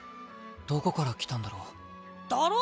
どこから来たんだろう？だろ？